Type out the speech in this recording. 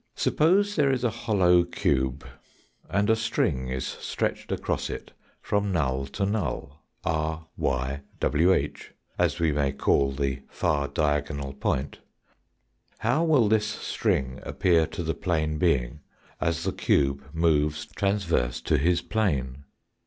Suppose there is a hollow cube, and a string is stretched across it from null to null, r, y, w/i, as we may call the far diagonal point, how will this string appear to the plane being as the cube moves transverse to his plane